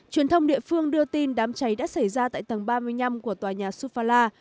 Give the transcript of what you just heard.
truyền thông địa phương đưa tin đám cháy đã xảy ra tại tầng ba mươi năm của tòa nhà suphala